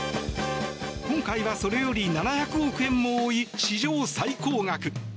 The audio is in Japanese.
今回はそれより７００億円も多い史上最高額。